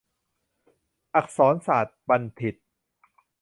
อักษรศาสตรบัณฑิต